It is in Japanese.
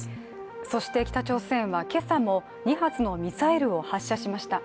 そして北朝鮮は今朝も２発のミサイルを発射しました。